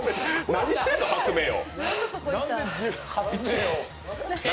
何してんの、発明王。